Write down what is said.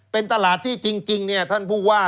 เป็นตลาดที่จริงเนี่ยท่านผู้ว่า